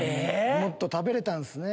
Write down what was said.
もっと食べれたんすね。